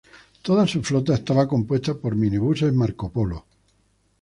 Toda su flota estaba compuesta por minibuses Marcopolo.